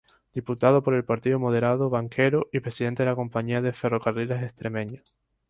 Diputado por el partido moderado, banquero y Presidente de la Compañía de Ferrocarriles Extremeños.